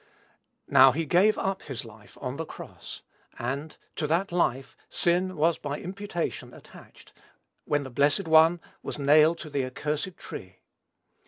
Now, he gave up his life on the cross; and, to that life, sin was by imputation attached, when the blessed One was nailed to the cursed tree.